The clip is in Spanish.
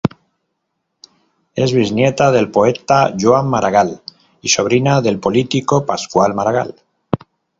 Es bisnieta del poeta Joan Maragall y sobrina del político Pasqual Maragall.